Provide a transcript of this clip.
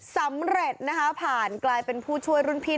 สำเร็จนะคะผ่านกลายเป็นผู้ช่วยรุ่นพี่